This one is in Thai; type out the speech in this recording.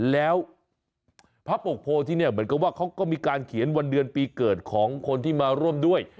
แล้วพระปกโพที่เนี่ยเหมือนกับว่าเขาก็มีการเขียนวันเดือนปีเกิดของคนที่มาร่วมด้วย